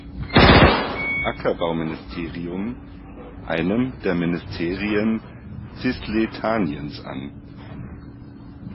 Ackerbauministerium, einem der Ministerien Cisleithaniens, an.